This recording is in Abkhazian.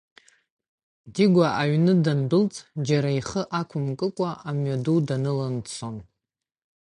Дигәа аҩны дандәылҵ, џьара ихы ақәымкыкәа, амҩаду данылан дцон.